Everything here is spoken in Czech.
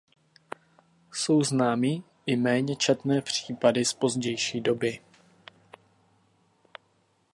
Jsou známy i méně četné případy z pozdější doby.